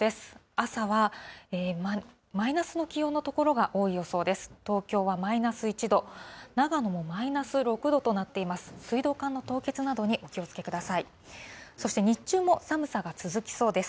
朝はマイナスの気温の所が多い予想です。